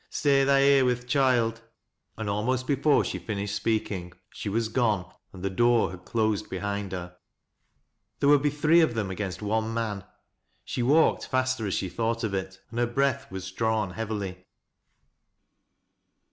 " Staj tha here with th' choild." And almost before she finished speaking she was gone, and the door had closed behind her. There would be three of them against one man. She walked faster as she thought of it, and her breath was h'awn heavily.